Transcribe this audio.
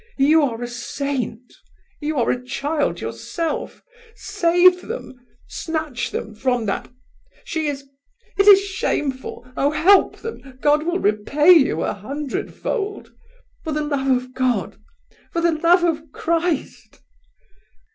You are a saint! You are a child yourself—save them! Snatch them from that... she is... it is shameful! Oh! help them! God will repay you a hundredfold. For the love of God, for the love of Christ!"